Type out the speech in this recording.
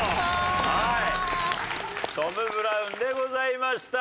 トム・ブラウンでございました。